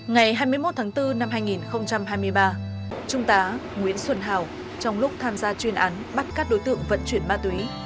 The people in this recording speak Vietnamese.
ngày hai mươi một tháng bốn năm hai nghìn hai mươi ba trung tá nguyễn xuân hào trong lúc tham gia chuyên án bắt các đối tượng vận chuyển ma túy